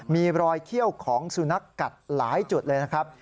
มีรอยเขี้ยวของสุนัขกัดหลายจุดเลยนะครับ